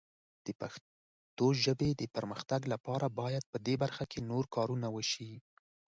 د پښتو ژبې د پرمختګ لپاره باید په دې برخه کې نور کارونه وشي.